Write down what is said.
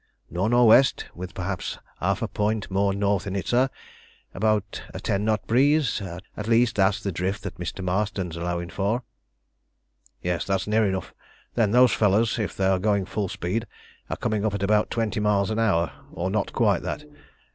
"Nor' nor' west, with perhaps half a point more north in it, sir. About a ten knot breeze at least that's the drift that Mr. Marston's allowing for." "Yes, that's near enough. Then those fellows, if they are going full speed, are coming up at about twenty miles an hour, or not quite that.